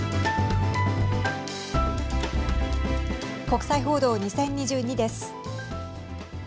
国際報道２０２２です。